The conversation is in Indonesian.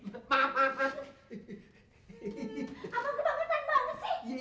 sekarang kamu bisa ikuti kami riktir di sini